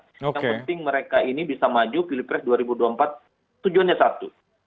yang penting mereka ini bisa maju pilpres dua ribu dua puluh empat tujuannya satu